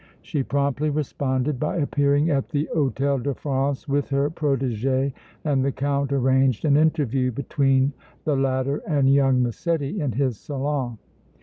She promptly responded by appearing at the Hôtel de France with her protégée and the Count arranged an interview between the latter and young Massetti in his salon.